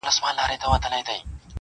په توره شپه کي د رڼا د کاروان لاري څارم،